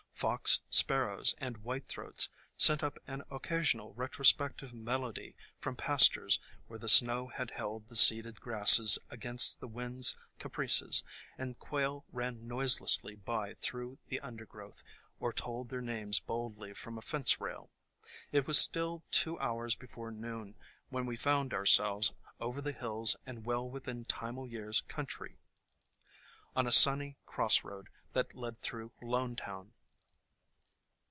Fox sparrows and white throats sent up an occasional retrospective melody from pastures where the snow had held the seeded grasses against the wind's caprices, and quail ran noiselessly by through the undergrowth or told their names boldly from a fence rail. It was still two hours before noon when we found ourselves over the hills and well within Time o' Year's 6 THE COMING OF SPRING country, on a sunny cross road that led through Lonetown.